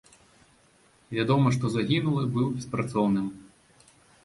Вядома, што загінулы быў беспрацоўным.